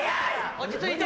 落ち着いて。